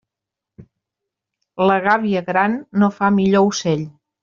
La gàbia gran no fa millor ocell.